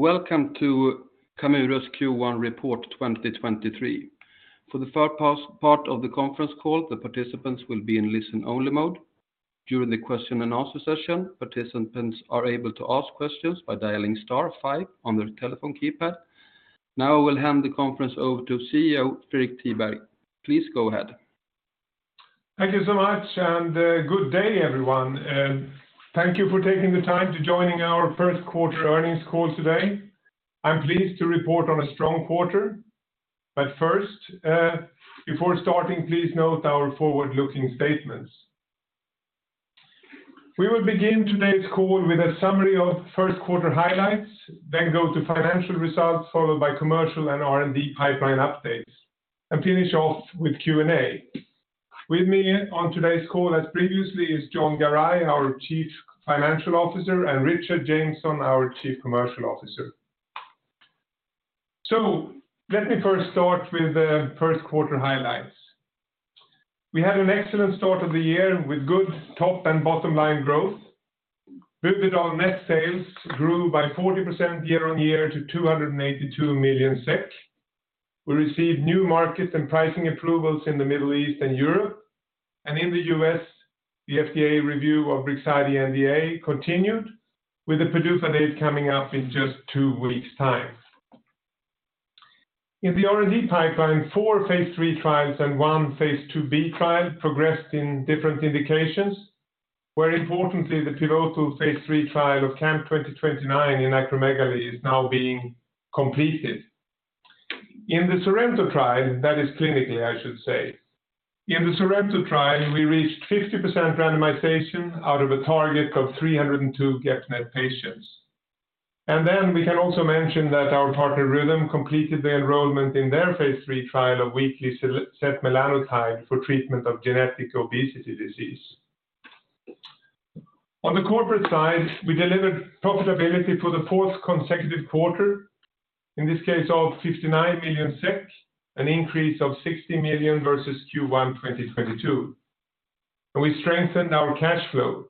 Welcome to Camurus Q1 report 2023. For the first part of the conference call, the participants will be in listen-only mode. During the question and answer session, participants are able to ask questions by dialing star five on their telephone keypad. I will hand the conference over to CEO Fredrik Tiberg. Please go ahead. Thank you so much. Good day everyone. Thank you for taking the time to joining our Q1 earnings call today. I'm pleased to report on a strong quarter. First, before starting, please note our forward-looking statements. We will begin today's call with a summary of Q1 highlights, go to financial results, followed by commercial and R&D pipeline updates, finish off with Q&A. With me on today's call as previously is Jon Garay, our Chief Financial Officer, and Richard Jameson, our Chief Commercial Officer. Let me first start with the Q1 highlights. We had an excellent start of the year with good top and bottom line growth. Buvidal net sales grew by 40% year-on-year to 282 million SEK. We received new markets and pricing approvals in the Middle East and Europe. In the US., the FDA review of Brixadi NDA continued with the PDUFA date coming up in just 2 weeks time. In the R&D pipeline, 4 phase 3 trials and 1 phase 2B trial progressed in different indications, where importantly, the pivotal phase 3 trial of CAM2029 in acromegaly is now being completed. In the SORENTO trial, that is clinically, I should say. In the SORENTO trial, we reached 50% randomization out of a target of 302 GEP-NET patients. We can also mention that our partner, Rhythm, completed their enrollment in their phase 3 trial of weekly setmelanotide for treatment of genetic obesity disease. On the corporate side, we delivered profitability for the fourth consecutive quarter, in this case of 59 million SEK, an increase of 60 million SEK versus Q1 2022. We strengthened our cash flow.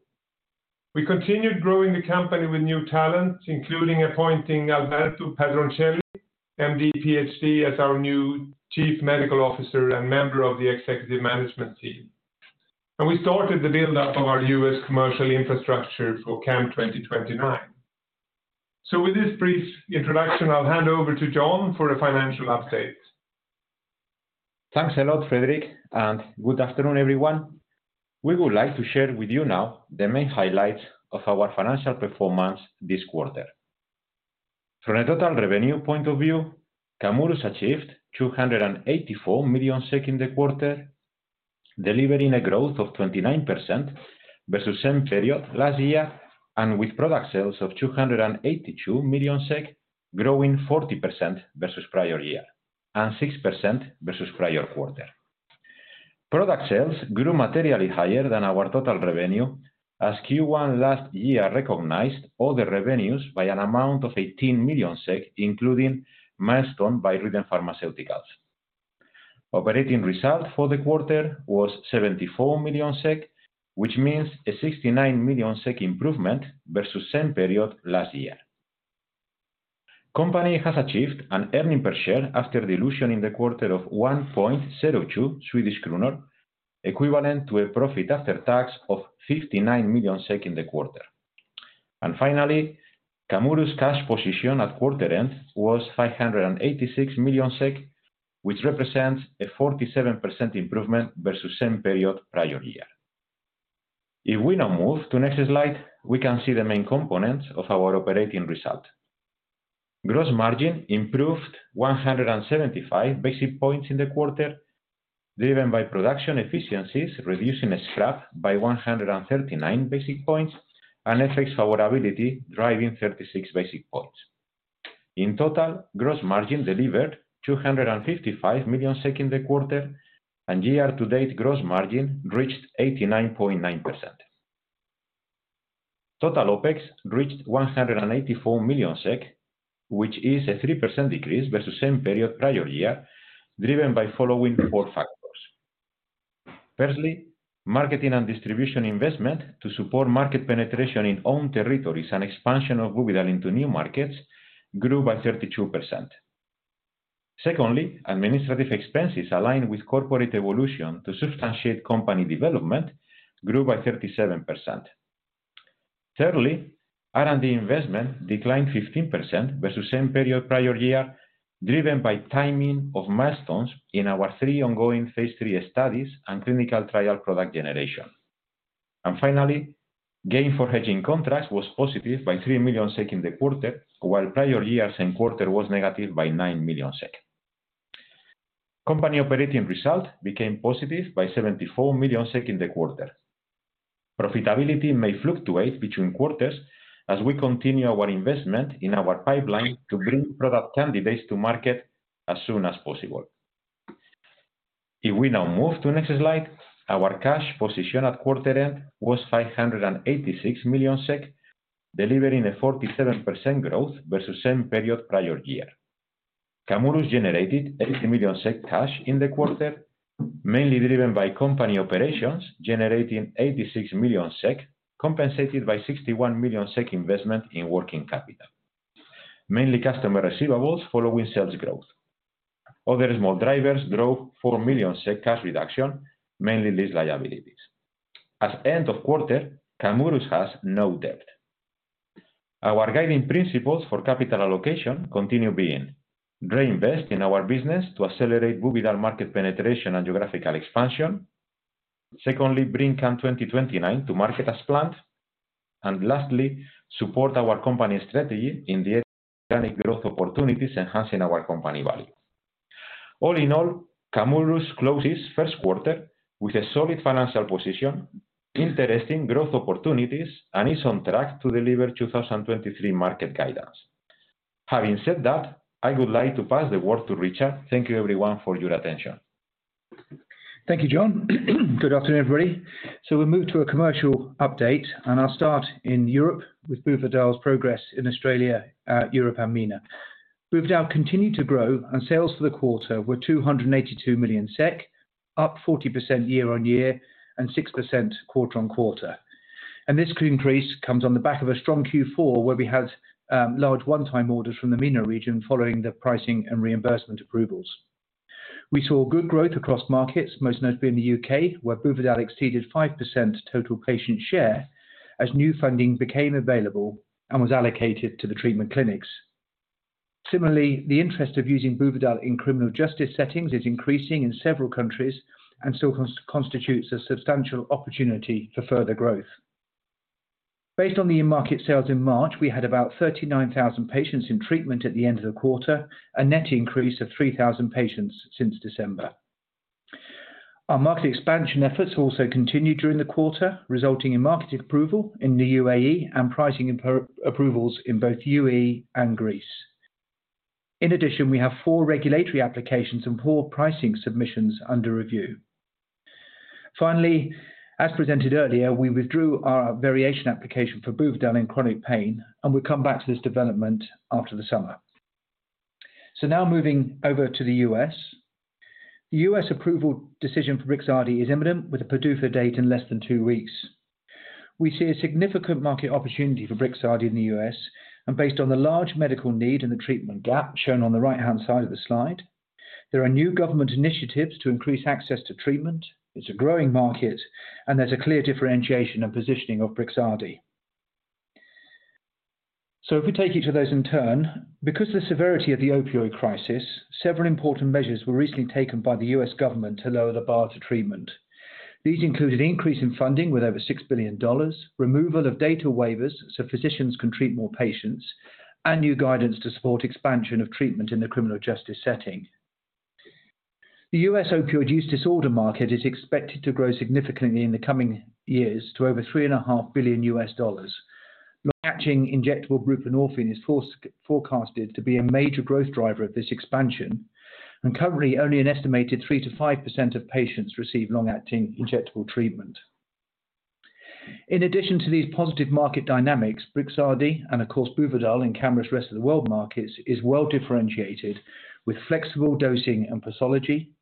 We continued growing the company with new talent, including appointing Alberto M. Pedroncelli, MD, PhD as our new Chief Medical Officer and member of the executive management team. We started the build-up of our US. commercial infrastructure for CAM2029. With this brief introduction, I'll hand over to Jon for a financial update. Thanks a lot, Fredrik, and good afternoon, everyone. We would like to share with you now the main highlights of our financial performance this quarter. From a total revenue point of view, Camurus achieved 284 million SEK in the quarter, delivering a growth of 29% versus same period last year, and with product sales of 282 million SEK growing 40% versus prior year and 6% versus prior quarter. Product sales grew materially higher than our total revenue as Q1 last year recognized other revenues by an amount of 18 million SEK, including milestone by Rhythm Pharmaceuticals. Operating result for the quarter was 74 million SEK, which means a 69 million SEK improvement versus same period last year. Company has achieved an earnings per share after dilution in the quarter of 1.02 Swedish krona, equivalent to a profit after tax of 59 million SEK in the quarter. Finally, Camurus' cash position at quarter end was 586 million SEK, which represents a 47% improvement versus same period prior year. If we now move to next slide, we can see the main components of our operating result. Gross margin improved 175 basic points in the quarter, driven by production efficiencies, reducing a scrap by 139 basic points and affects our ability, driving 36 basic points. In total, gross margin delivered 255 million SEK in the quarter, and year to date, gross margin reached 89.9%. Total OPEX reached 184 million SEK, which is a 3% decrease versus same period prior year, driven by following four factors. Firstly, marketing and distribution investment to support market penetration in own territories and expansion of Buvidal into new markets grew by 32%. Secondly, administrative expenses aligned with corporate evolution to substantiate company development grew by 37%. Thirdly, R&D investment declined 15% versus same period prior year, driven by timing of milestones in our three ongoing phase 3 studies and clinical trial product generation. Finally, gain for hedging contracts was positive by 3 million SEK in the quarter, while prior years in quarter was negative by 9 million SEK. Company operating result became positive by 74 million SEK in the quarter. Profitability may fluctuate between quarters as we continue our investment in our pipeline to bring product candidates to market as soon as possible. If we now move to next slide, our cash position at quarter end was 586 million SEK, delivering a 47% growth versus same period prior year. Camurus generated 80 million SEK cash in the quarter, mainly driven by company operations generating 86 million SEK, compensated by 61 million SEK investment in working capital, mainly customer receivables following sales growth. Other small drivers drove 4 million cash reduction, mainly lease liabilities. As end of quarter, Camurus has no debt. Our guiding principles for capital allocation continue being reinvest in our business to accelerate Buvidal market penetration and geographical expansion. Secondly, bring CAM2029 to market as planned. Lastly, support our company strategy in the organic growth opportunities enhancing our company value. All in all, Camurus closes Q1 with a solid financial position, interesting growth opportunities, and is on track to deliver 2023 market guidance. Having said that, I would like to pass the word to Richard. Thank you everyone for your attention. Thank you, Jon. Good afternoon, everybody. We move to a commercial update, and I'll start in Europe with Buvidal's progress in Australia, Europe and MENA. Buvidal continued to grow, sales for the quarter were 282 million SEK, up 40% year-on-year and 6% quarter-on-quarter. This increase comes on the back of a strong Q4, where we had large one-time orders from the MENA region following the pricing and reimbursement approvals. We saw good growth across markets, most notably in the UK, where Buvidal exceeded 5% total patient share as new funding became available and was allocated to the treatment clinics. Similarly, the interest of using Buvidal in criminal justice settings is increasing in several countries and constitutes a substantial opportunity for further growth. Based on the market sales in March, we had about 39,000 patients in treatment at the end of the quarter, a net increase of 3,000 patients since December. Our market expansion efforts also continued during the quarter, resulting in market approval in the UAE and pricing approvals in both the UAE and Greece. In addition, we have four regulatory applications and four pricing submissions under review. Finally, as presented earlier, we withdrew our variation application for Buvidal in chronic pain, and we'll come back to this development after the summer. Now moving over to the US. The US approval decision for Brixadi is imminent, with a PDUFA date in less than two weeks. We see a significant market opportunity for Brixadi in the US and based on the large medical need and the treatment gap shown on the right-hand side of the slide. There are new government initiatives to increase access to treatment. It's a growing market. There's a clear differentiation and positioning of Brixadi. If we take you to those in turn, because of the severity of the opioid crisis, several important measures were recently taken by the US. government to lower the bar to treatment. These include an increase in funding with over $6 billion, removal of DATA waiver, so physicians can treat more patients, and new guidance to support expansion of treatment in the criminal justice setting. The US. opioid use disorder market is expected to grow significantly in the coming years to over three and a half billion US. dollars. Long-acting injectable buprenorphine is forecasted to be a major growth driver of this expansion. Currently, only an estimated 3%-5% of patients receive long-acting injectable treatment. In addition to these positive market dynamics, Brixadi and of course Buvidal in Camurus' rest-of-the-world markets is well-differentiated with flexible dosing and pathology,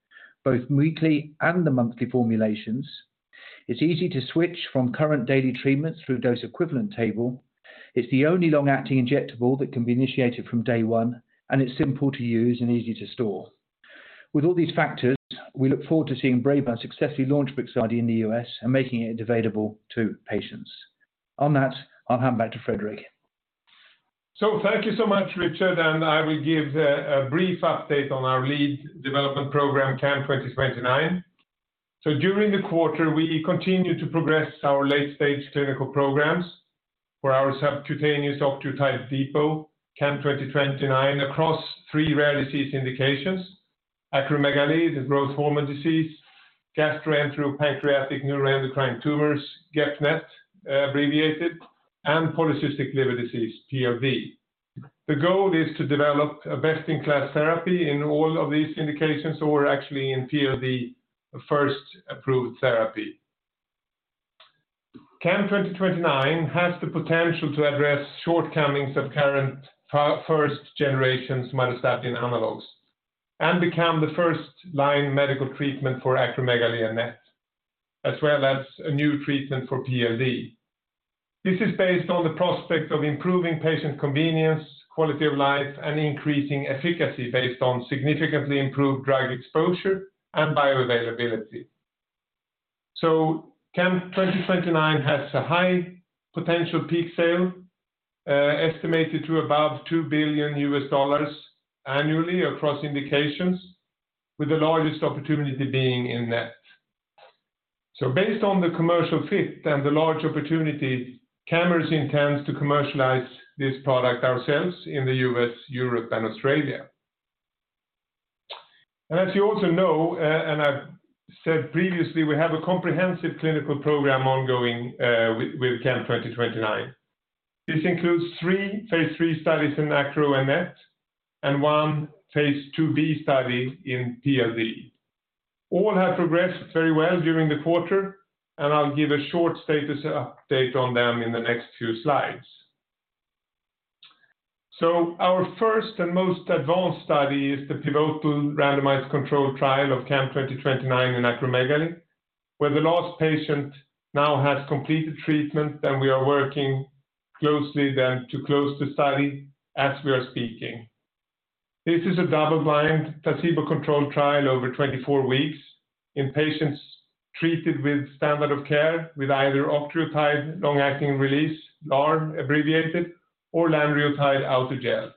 both weekly and the monthly formulations. It's easy to switch from current daily treatments through dose equivalent table. It's the only long-acting injectable that can be initiated from day one, and it's simple to use and easy to store. With all these factors, we look forward to seeing Braeburn successfully launch Brixadi in the US. and making it available to patients. On that, I'll hand back to Fredrik. Thank you so much, Richard, and I will give a brief update on our lead development program, CAM2029. During the quarter, we continued to progress our late-stage clinical programs for our subcutaneous octreotide depot, CAM2029, across three rare disease indications. Acromegaly, the growth hormone disease, gastroenteropancreatic neuroendocrine tumors, GEP-NET, abbreviated, and polycystic liver disease, PLD. The goal is to develop a best-in-class therapy in all of these indications, so we're actually in PLD, the first approved therapy. CAM2029 has the potential to address shortcomings of current first-generation somatostatin analogs and become the first-line medical treatment for acromegaly and NET, as well as a new treatment for PLD. This is based on the prospect of improving patient convenience, quality of life, and increasing efficacy based on significantly improved drug exposure and bioavailability. CAM2029 has a high potential peak sale, estimated to above $2 billion annually across indications, with the largest opportunity being in NET. Based on the commercial fit and the large opportunity, Camurus intends to commercialize this product ourselves in the US., Europe, and Australia. As you also know, and I've said previously, we have a comprehensive clinical program ongoing with CAM2029. This includes three Phase 3 studies in Acro and NET and one Phase 2B study in PLD. All have progressed very well during the quarter, and I'll give a short status update on them in the next few slides. Our first and most advanced study is the pivotal randomized controlled trial of CAM2029 in acromegaly, where the last patient now has completed treatment, and we are working closely then to close the study as we are speaking. This is a double-blind, placebo-controlled trial over 24 weeks in patients treated with standard of care with either octreotide long-acting release, LAR abbreviated, or lanreotide autogel.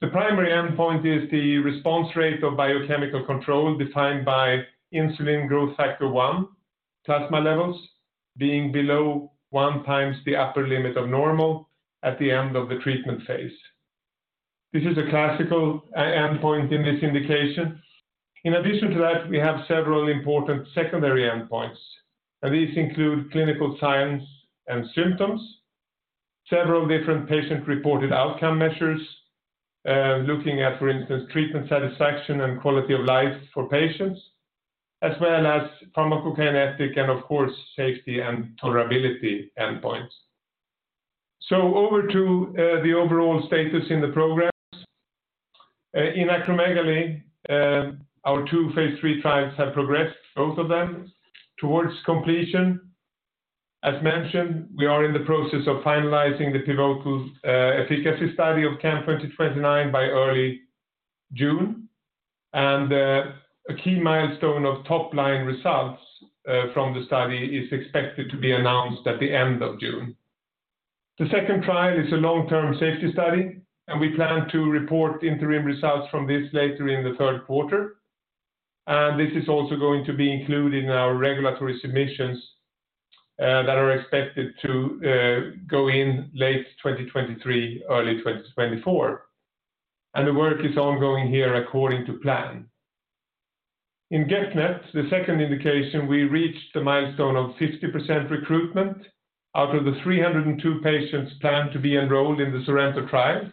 The primary endpoint is the response rate of biochemical control defined by insulin-like growth factor 1 plasma levels being below 1 times the upper limit of normal at the end of the treatment phase. This is a classical e-endpoint in this indication. In addition to that, we have several important secondary endpoints, and these include clinical signs and symptoms, several different patient-reported outcome measures, looking at, for instance, treatment satisfaction and quality of life for patients, as well as pharmacokinetic and of course, safety and tolerability endpoints. Over to the overall status in the progress. In acromegaly, our 2 phase 3 trials have progressed, both of them towards completion. As mentioned, we are in the process of finalizing the pivotal efficacy study of CAM2029 by early June. A key milestone of top-line results from the study is expected to be announced at the end of June. The second trial is a long-term safety study, and we plan to report interim results from this later in the Q3. This is also going to be included in our regulatory submissions that are expected to go in late 2023, early 2024. The work is ongoing here according to plan. In GEP-NET, the second indication, we reached the milestone of 50% recruitment out of the 302 patients planned to be enrolled in the SORENTO trial.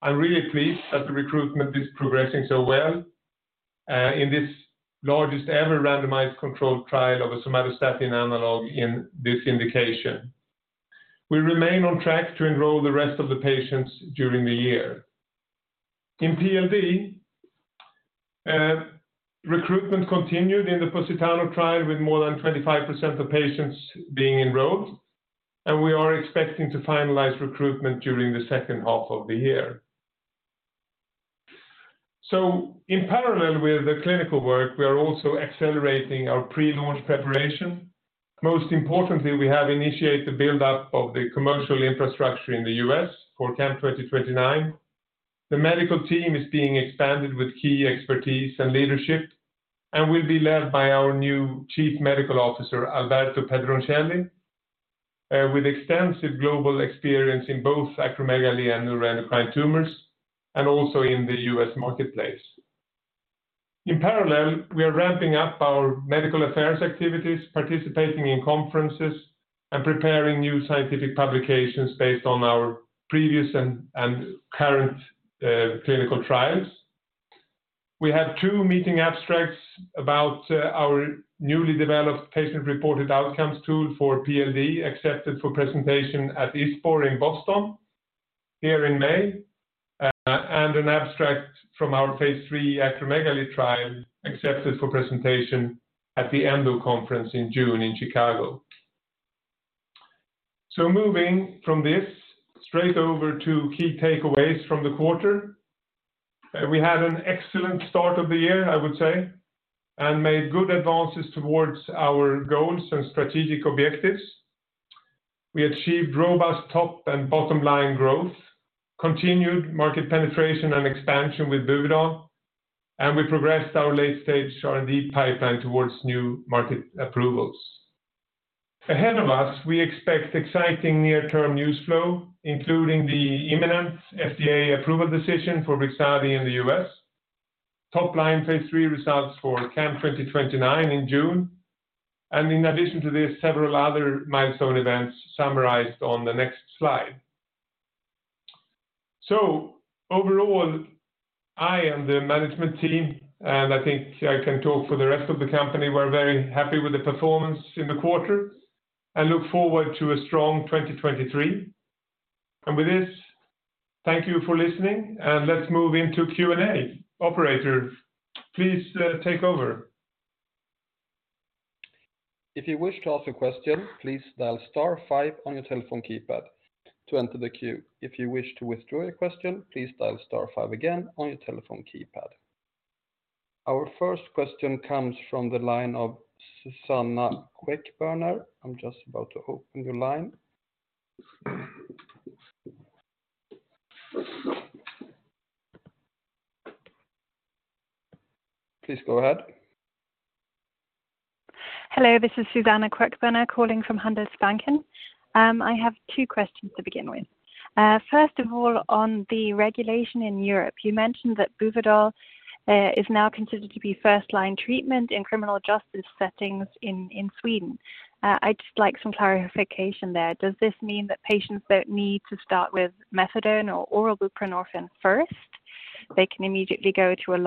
I'm really pleased that the recruitment is progressing so well, in this largest ever randomized controlled trial of a somatostatin analog in this indication. We remain on track to enroll the rest of the patients during the year. In PLD, recruitment continued in the POSITANO trial with more than 25% of patients being enrolled, and we are expecting to finalize recruitment during the second half of the year. In parallel with the clinical work, we are also accelerating our pre-launch preparation. Most importantly, we have initiated the build-up of the commercial infrastructure in the US. for CAM2029. The medical team is being expanded with key expertise and leadership and will be led by our new Chief Medical Officer, Alberto Pedroncelli, with extensive global experience in both acromegaly and neuroendocrine tumors and also in the US. marketplace. In parallel, we are ramping up our medical affairs activities, participating in conferences, and preparing new scientific publications based on our previous and current clinical trials. We have two meeting abstracts about our newly developed patient-reported outcomes tool for PLD accepted for presentation at ISPOR in Boston here in May, and an abstract from our phase 3 acromegaly trial accepted for presentation at the ENDO conference in June in Chicago. Moving from this straight over to key takeaways from the quarter. We had an excellent start of the year, I would say, and made good advances towards our goals and strategic objectives. We achieved robust top and bottom line growth, continued market penetration and expansion with Buvidal, and we progressed our late-stage R&D pipeline towards new market approvals. Ahead of us, we expect exciting near-term news flow, including the imminent FDA approval decision for Brixadi in the US, top-line phase three results for CAM2029 in June, and in addition to this, several other milestone events summarized on the next slide. Overall, I and the management team, and I think I can talk for the rest of the company, we're very happy with the performance in the quarter and look forward to a strong 2023. With this, thank you for listening, and let's move into Q&A. Operator, please take over. If you wish to ask a question, please dial star five on your telephone keypad to enter the queue. If you wish to withdraw your question, please dial star five again on your telephone keypad. Our first question comes from the line of Suzanna Queckbörner. I'm just about to open your line. Please go ahead. Hello, this is Suzanna Queckbörner calling from Handelsbanken. I have two questions to begin with. First of all, on the regulation in Europe, you mentioned that Buvidal is now considered to be first-line treatment in criminal justice settings in Sweden. I'd just like some clarification there. Does this mean that patients don't need to start with methadone or oral buprenorphine first? They can immediately go to a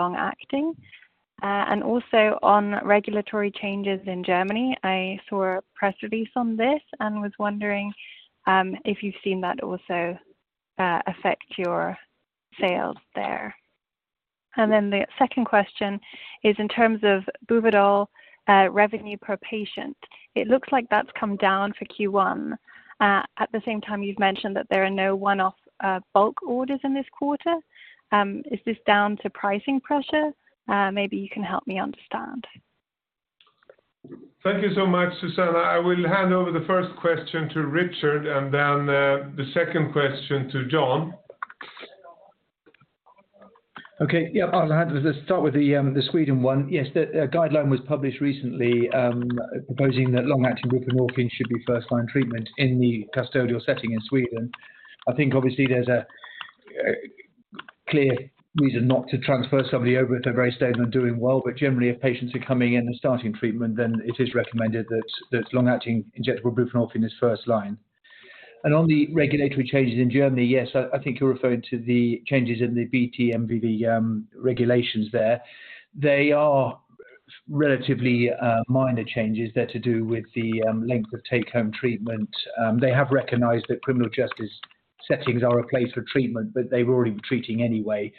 long-acting. Also on regulatory changes in Germany, I saw a press release on this and was wondering if you've seen that also affect your sales there. The second question is in terms of Buvidal revenue per patient. It looks like that's come down for Q1. At the same time, you've mentioned that there are no one-off bulk orders in this quarter. Is this down to pricing pressure? Maybe you can help me understand. Thank you so much, Suzanna. I will hand over the first question to Richard and then the second question to John. Okay. Yeah, I'll have to just start with the Sweden one. Yes, a guideline was published recently, proposing that long-acting buprenorphine should be first-line treatment in the custodial setting in Sweden. I think obviously there's a clear reason not to transfer somebody over at a very stage when doing well, but generally if patients are coming in and starting treatment, then it is recommended that there's long-acting injectable buprenorphine is first line. On the regulatory changes in Germany, yes, I think you're referring to the changes in the BTOD regulations there. They are relatively minor changes. They're to do with the length of take-home treatment. They have recognized that criminal justice settings are a place for treatment, but they were already treating anyway.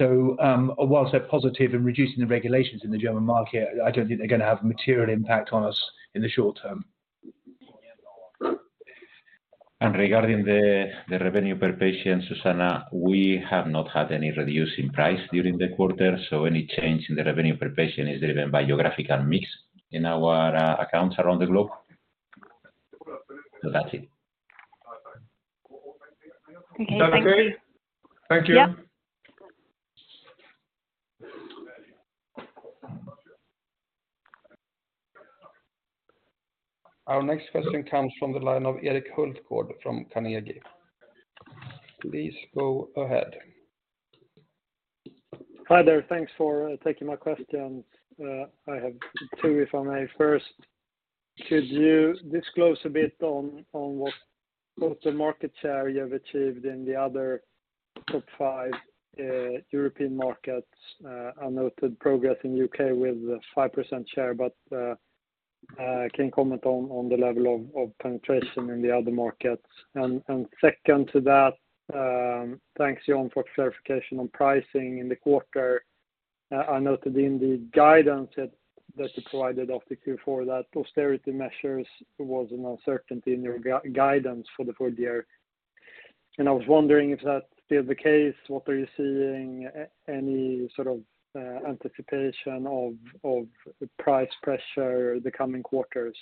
Whilst they're positive in reducing the regulations in the German market, I don't think they're gonna have material impact on us in the short term. Regarding the revenue per patient, Suzanna, we have not had any reduce in price during the quarter. Any change in the revenue per patient is driven by geographical mix in our accounts around the globe. That's it. Okay. Thank you. Is that okay? Thank you. Yep. Our next question comes from the line of Erik Hultgård from Carnegie. Please go ahead. Hi there. Thanks for taking my questions. I have 2 if I may. First, could you disclose a bit on what total market share you have achieved in the other top five European markets? I noted progress in U.K. with 5% share, but can you comment on the level of penetration in the other markets? Second to that, thanks Jon for clarification on pricing in the quarter. I noted in the guidance that you provided of the Q4 that austerity measures was an uncertainty in your guidance for the full year. I was wondering if that's still the case, what are you seeing? Any sort of anticipation of price pressure the coming quarters?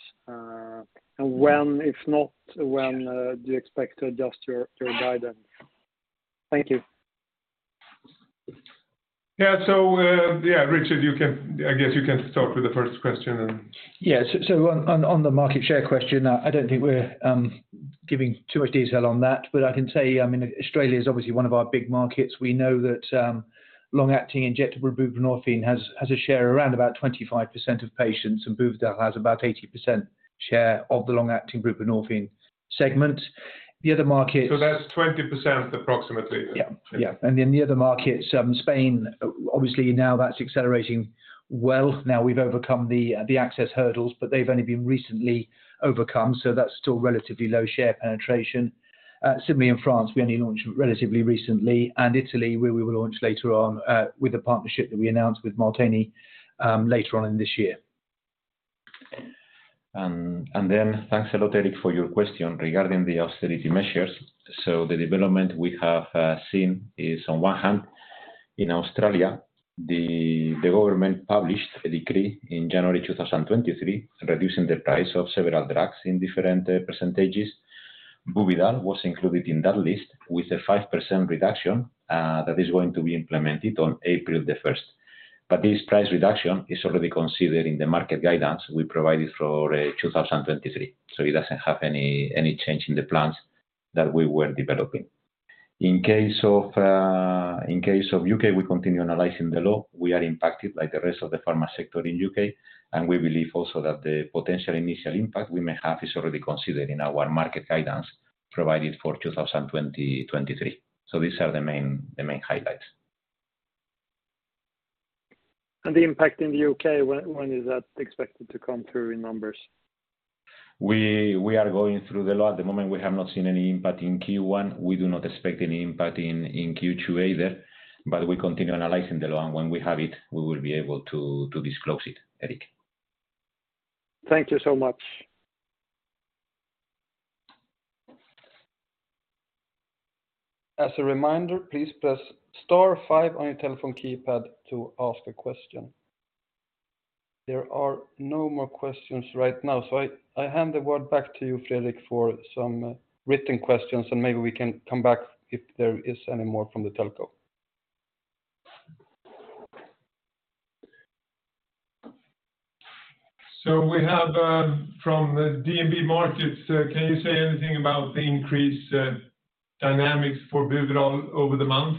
When, if not, when do you expect to adjust your guidance? Thank you. Yeah. Richard, I guess you can start with the first question. On the market share question, I don't think we're giving too much detail on that. I can tell you, I mean, Australia is obviously one of our big markets. We know that long-acting injectable buprenorphine has a share around about 25% of patients, and Buvidal has about 80% share of the long-acting buprenorphine segment. The other markets- That's 20% approximately. Yeah. Yeah. In the other markets, Spain, obviously now that's accelerating well. Now we've overcome the access hurdles, but they've only been recently overcome, so that's still relatively low share penetration. Similarly in France, we only launched relatively recently, and Italy, where we will launch later on, with a partnership that we announced with Molteni, later on in this year. Thanks a lot, Erik, for your question regarding the austerity measures. The development we have seen is on one hand, in Australia, the government published a decree in January 2023, reducing the price of several drugs in different percentages. Buvidal was included in that list with a 5% reduction that is going to be implemented on April 1st. This price reduction is already considered in the market guidance we provided for 2023. It doesn't have any change in the plans that we were developing. In case of U.K., we continue analyzing the law. We are impacted like the rest of the pharma sector in U.K., and we believe also that the potential initial impact we may have is already considered in our market guidance provided for 2023. These are the main highlights. The impact in the U.K., when is that expected to come through in numbers? We are going through the law at the moment. We have not seen any impact in Q1. We do not expect any impact in Q2 either. We continue analyzing the law. When we have it, we will be able to disclose it, Erik. Thank you so much. As a reminder, please press star 5 on your telephone keypad to ask a question. There are no more questions right now. I hand the word back to you, Fredrik, for some written questions, and maybe we can come back if there is any more from the telco. We have, from DNB Markets, can you say anything about the increased dynamics for Buvidal over the month?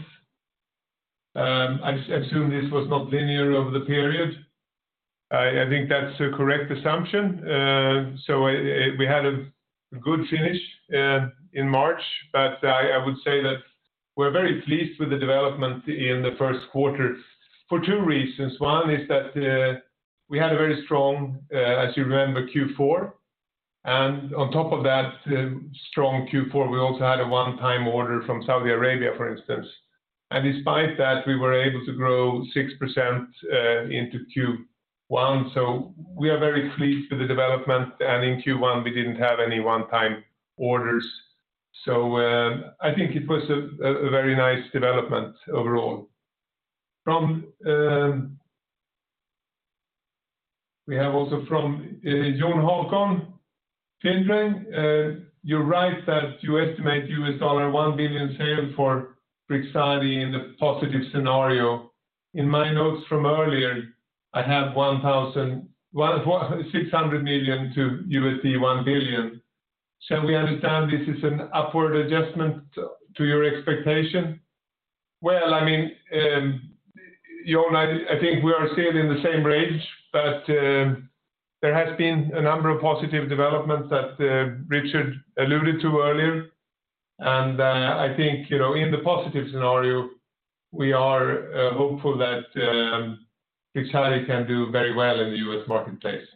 I assume this was not linear over the period. I think that's a correct assumption. So we had a good finish in March, but I would say that we're very pleased with the development in the Q1 for two reasons. One is that we had a very strong, as you remember, Q4. On top of that strong Q4, we also had a one-time order from Saudi Arabia, for instance. Despite that, we were able to grow 6% into Q1. We are very pleased with the development. In Q1, we didn't have any one-time orders. I think it was a very nice development overall. We have also from John Holcomb, Tindrang, you're right that you estimate $1 billion sales for Brixadi in the positive scenario. In my notes from earlier, I have $600 million to $1 billion. Shall we understand this is an upward adjustment to your expectation? Well, I mean, Jon, I think we are still in the same range, but there has been a number of positive developments that Richard alluded to earlier. I think, you know, in the positive scenario, we are hopeful that Brixadi can do very well in the US. marketplace.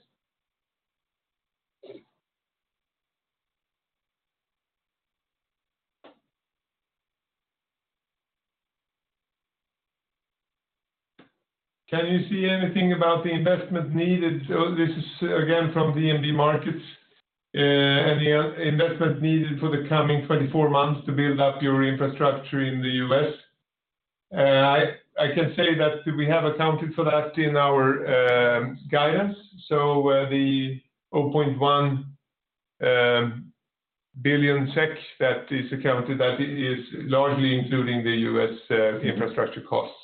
Can you see anything about the investment needed? This is again from DNB Markets. Any investment needed for the coming 24 months to build up your infrastructure in the US.? I can say that we have accounted for that in our guidance. The 0.1 billion SEK that is accounted, that is largely including the US. infrastructure costs.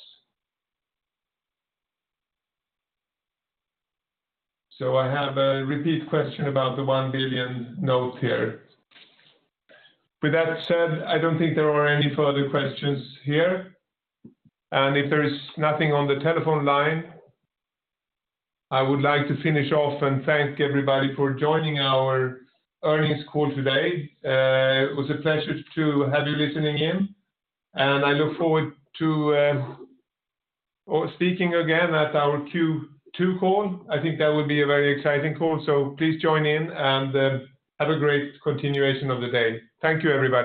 I have a repeat question about the 1 billion note here. With that said, I don't think there are any further questions here. If there is nothing on the telephone line, I would like to finish off and thank everybody for joining our earnings call today. It was a pleasure to have you listening in, and I look forward to speaking again at our Q2 call. I think that would be a very exciting call, so please join in and have a great continuation of the day. Thank you, everybody